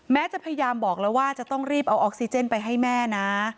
จะพยายามบอกแล้วว่าจะต้องรีบเอาออกซิเจนไปให้แม่นะ